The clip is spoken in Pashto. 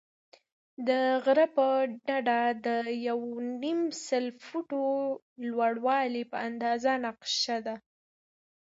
د غره پر ډډه د یو نیم سل فوټه لوړوالی په اندازه نقشه ده.